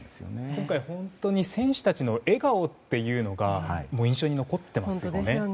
今回本当に選手たちの笑顔っていうのが印象に残っていますよね。